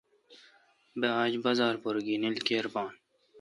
بہ آج بازار پر گینل کیر بھان۔